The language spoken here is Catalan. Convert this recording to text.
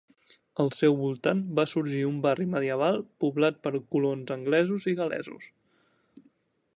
Al seu voltant va sorgir un barri medieval poblat per colons anglesos i gal·lesos.